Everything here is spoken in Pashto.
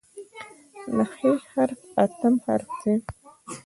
د "ح" حرف اتم حرف دی.